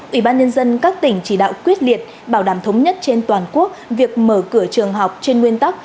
ủy ban nhân dân các tỉnh chỉ đạo quyết liệt bảo đảm thống nhất trên toàn quốc việc mở cửa trường học trên nguyên tắc